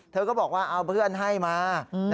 เธอก็บอกว่าเอาเพื่อนให้มา